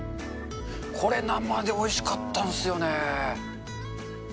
これ、生でおいしかったんすよね。